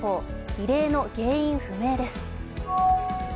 異例の原因不明です。